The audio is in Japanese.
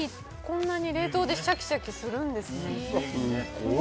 こんなに冷凍でシャキシャキするんですね